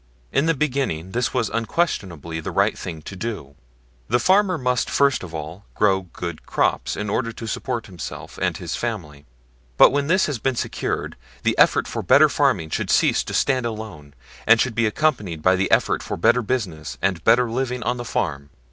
In the beginning this was unquestionably the right thing to do. The farmer must first of all grow good crops in order to support himself and his family. But when this has been secured, the effort for better farming should cease to stand alone, and should be accompanied by the effort for better business and better living on the farm.